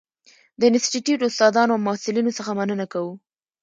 د انسټیټوت استادانو او محصلینو څخه مننه کوو.